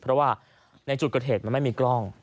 เพราะว่าในจุดเกิดเหตุมันไม่มีกล้อง